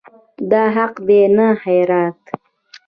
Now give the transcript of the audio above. دا حق دی نه خیرات.